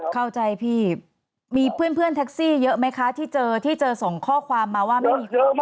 เข้าใจพี่มีเพื่อนแท็กซี่เยอะไหมคะที่เจอที่เจอส่งข้อความมาว่าไม่มี